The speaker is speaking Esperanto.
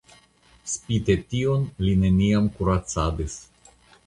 Spite tion li neniam kuracadis.